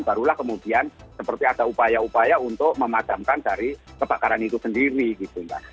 barulah kemudian seperti ada upaya upaya untuk memadamkan dari kebakaran itu sendiri gitu mbak